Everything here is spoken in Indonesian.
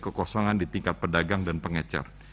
kekosongan di tingkat pedagang dan pengecer